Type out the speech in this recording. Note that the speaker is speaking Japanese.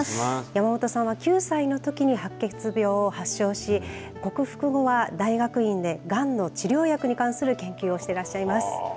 山本さんは９歳のときに白血病を発症し、克服後は、大学院でがんの治療薬に関する研究をしてらっしゃいます。